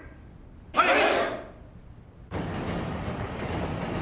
はい！